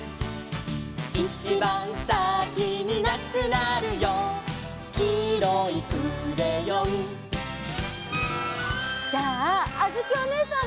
「いちばんさきになくなるよ」「きいろいクレヨン」じゃああづきおねえさん